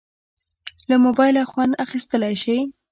له موبایله خوند اخیستیلی شې.